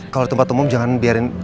kalau di tempat umum jangan biarin